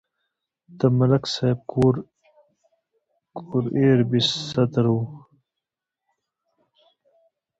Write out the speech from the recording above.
د ملک صاحب کور ایر بېستره و.